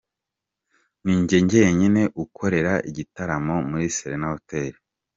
Ni njye njyenyine ukorera igitaramo muri Serena Hotel.